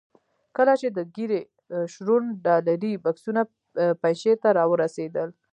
کله چې د ګیري شرون ډالري بکسونه پنجشیر ته را ورسېدل.